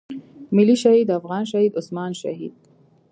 ملي شهيد افغان شهيد عثمان شهيد.